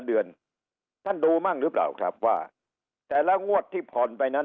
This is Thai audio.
เดือนท่านดูมั่งหรือเปล่าครับว่าแต่ละงวดที่ผ่อนไปนั้น